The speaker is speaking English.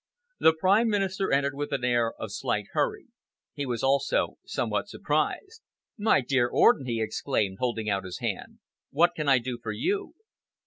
The Prime Minister entered with an air of slight hurry. He was also somewhat surprised. "My dear Orden," he exclaimed, holding out his hand, "what can I do for you?"